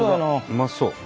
うまそう。